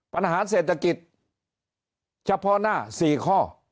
ปัญหาเศรษฐกิจเฉพาะหน้า๔ข้อ